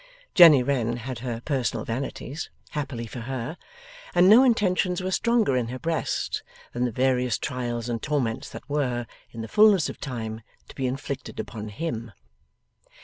Jenny Wren had her personal vanities happily for her and no intentions were stronger in her breast than the various trials and torments that were, in the fulness of time, to be inflicted upon 'him.